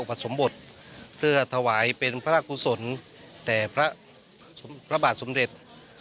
อุปสรมบทเพื่อถวายเป็นพระครูสนแต่พระบาทสมเร็จ